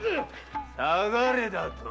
下がれだと。